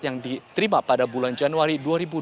yang diterima pada bulan januari dua ribu dua puluh